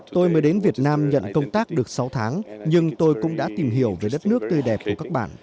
tôi mới đến việt nam nhận công tác được sáu tháng nhưng tôi cũng đã tìm hiểu về đất nước tươi đẹp của các bạn